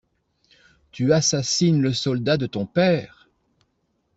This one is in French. Tu assassines le soldat de ton père!